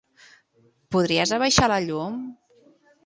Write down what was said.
Podries abaixar la llum?